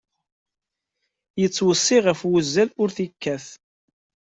Yettweṣṣi ɣef wuzzal ur t-yekkat.